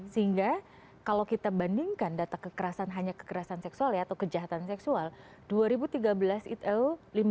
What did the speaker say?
sehingga kalau kita bandingkan data kekerasan hanya kekerasan seksual atau kejahatan seksual dua ribu tiga belas itu lima ratus tujuh puluh enam